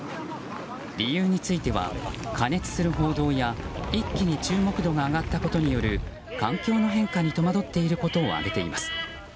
理由については過熱する報道や一気に注目度が上がったことによる環境の変化に戸惑っていることを挙げています。